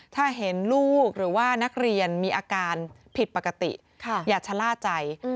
ถ้าเห็นลูกหรือว่านักเรียนมีอาการผิดปกติอย่าชะล่าใจ